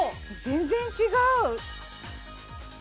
全然違う！